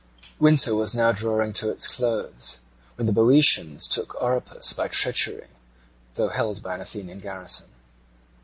Winter was now drawing towards its close, when the Boeotians took Oropus by treachery, though held by an Athenian garrison.